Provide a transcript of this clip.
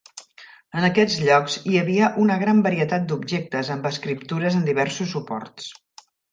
En aquests llocs hi havia una gran varietat d'objectes amb escriptures en diversos suports.